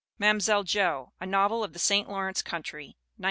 Mam'selle Jo: A Novel of the St. Lawrence Coun try, 1918.